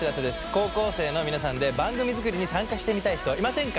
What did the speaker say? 高校生の皆さんで番組作りに参加してみたい人いませんか？